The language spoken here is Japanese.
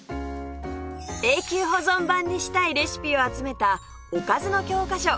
永久保存版にしたいレシピを集めた「おかずの教科書」